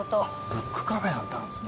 ブックカフェなんてあるんですね。